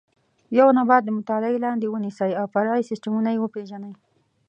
یو نبات د مطالعې لاندې ونیسئ او فرعي سیسټمونه یې وپېژنئ.